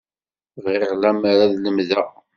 Bɣiɣ lemmer ad lemdeɣ.